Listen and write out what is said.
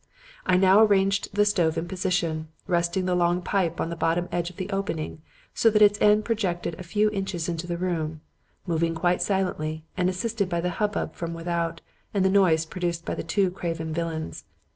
I now arranged the stove in position, resting the long pipe on the bottom edge of the opening so that its end projected a few inches into the room; moving quite silently and assisted by the hubbub from without and the noise produced by the two craven villains.